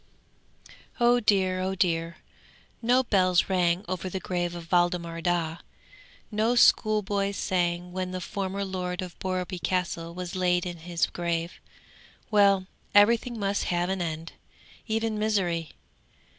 'Oh dear! oh dear! No bells rang over the grave of Waldemar Daa. No schoolboys sang when the former lord of Borreby Castle was laid in his grave. Well, everything must have an end, even misery!